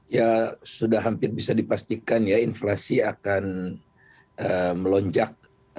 ya sudah hampir bisa dipastikan ya inflasi akan melonjak